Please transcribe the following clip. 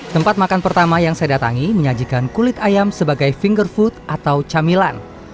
tempat makan pertama yang saya datangi menyajikan kulit ayam sebagai finger food atau camilan